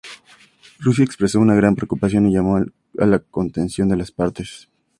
Rusia expresó una "gran preocupación" y llamó a la contención de las partes.